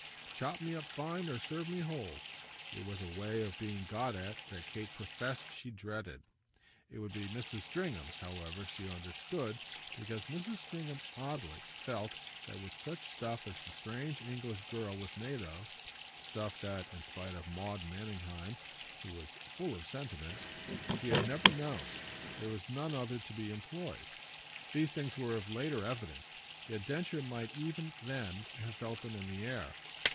"Chop me up fine or serve me whole" it was a way of being got at that Kate professed she dreaded. It would be Mrs. Stringham's, however, she understood, because Mrs. Stringham, oddly, felt that with such stuff as the strange English girl was made of, stuff that (in spite of Maud Manningham, who was full of sentiment) she had never known, there was none other to be employed. These things were of later evidence, yet Densher might even then have felt them in the air.